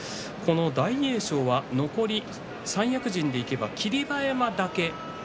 大栄翔は残り三役陣でいけば霧馬山だけです。